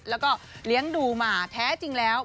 แล้วก็เลี้ยงดูมาแท้จริงแล้ว